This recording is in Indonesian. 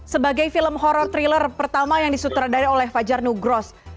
sebagai film horror thriller pertama yang disutradari oleh fajar nugros